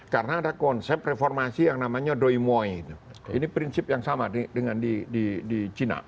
karena ada konsep reformasi yang namanya doi moi ini prinsip yang sama dengan di china